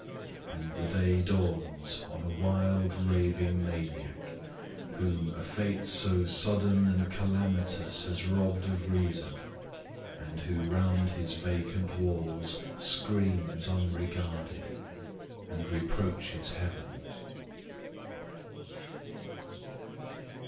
And the day dawns On a wild raving maniac, whom a fate So sudden and calamitous has robb'd Of reason; and who round his vacant walls Screams unregarded, and reproaches Heaven!